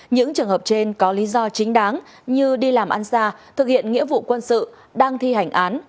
những trường hợp trên có lý do chính đáng như đi làm ăn xa thực hiện nghĩa vụ quân sự đang thi hành án